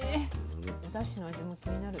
おダシの味も気になる。